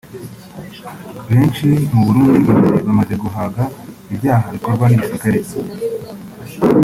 Benshi mu Burundi imbere bamaze guhaga ibyaha bikorwa n’igisirikare cye